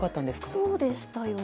そうでしたよね。